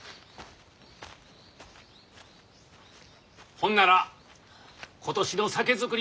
ほんなら今年の酒造り